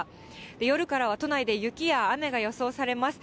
夜からは都内で雪や雨が予想されます。